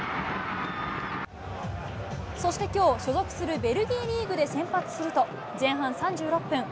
そしてきょう、所属するベルギーリーグで先発すると、前半３６分。